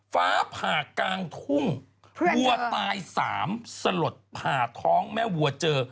ฟ้าผ่ากลางทุ่งวัวตายสามสลดผ่าท้องแม่วัวเจอ